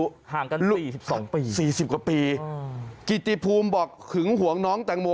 ห่างกัน๔๒ปี๔๐กว่าปีกิจิภูมิบอกหึงหวงน้องแตงโม